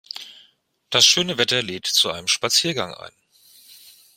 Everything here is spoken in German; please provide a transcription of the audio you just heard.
Das schöne Wetter lädt zu einem Spaziergang ein.